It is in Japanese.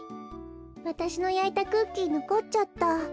わたしのやいたクッキーのこっちゃった。